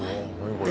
これ。